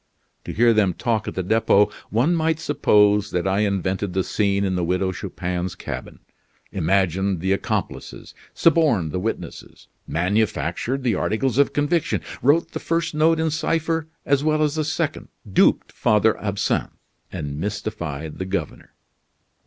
To hear them talk at the Depot, one might suppose that I invented the scene in the Widow Chupin's cabin; imagined the accomplices; suborned the witnesses; manufactured the articles of conviction; wrote the first note in cipher as well as the second; duped Father Absinthe, and mystified the governor."